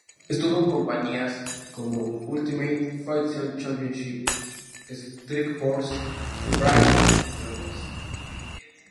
Estuvo en compañías como Ultimate Fighting Championship, Strikeforce, Pride, entre otras.